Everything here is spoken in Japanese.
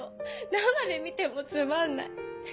生で見てもつまんない。